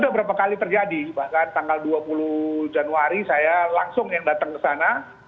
sudah berapa kali terjadi bahkan tanggal dua puluh januari saya langsung yang datang ke sana